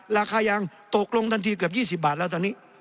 ราคายางตกลงทันทีเกือบ๒๐บาทแล้วตอนนี้